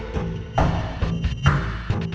saya akan cerita soal ini